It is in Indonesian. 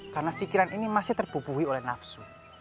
karena pikiran ini masih terbubuhi oleh nafsu